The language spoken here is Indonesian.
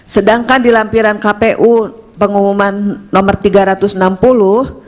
sedangkan di lampiran kpu pengumuman nomor tiga ratus enam puluh